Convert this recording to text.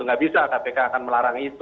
nggak bisa kpk akan melarang itu